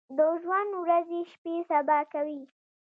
د ژوند ورځې شپې سبا کوي ۔